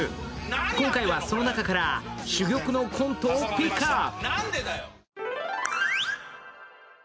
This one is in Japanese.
今回はその中から、珠玉のコントをピックアップ。